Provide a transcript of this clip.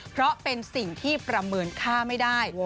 เพราะเป็นสิ่งที่ประเมินค่าไม่ได้